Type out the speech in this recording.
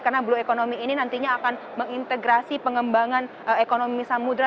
karena blue economy ini nantinya akan mengintegrasi pengembangan ekonomi samudera